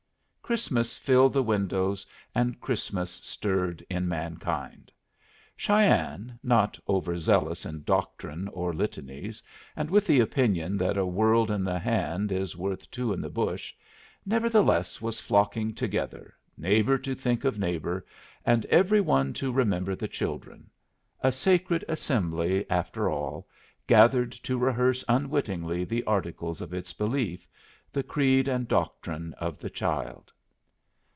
Christmas filled the windows and Christmas stirred in mankind. Cheyenne, not over zealous in doctrine or litanies, and with the opinion that a world in the hand is worth two in the bush, nevertheless was flocking together, neighbor to think of neighbor, and every one to remember the children; a sacred assembly, after all, gathered to rehearse unwittingly the articles of its belief, the Creed and Doctrine of the Child.